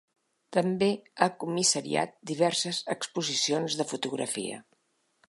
També ha comissariat diverses exposicions de fotografia.